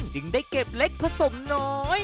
จึงได้เก็บเล็กผสมน้อย